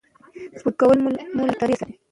سپورت کول مو له ډاکټره ساتي.